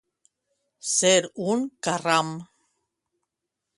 Ser un carram.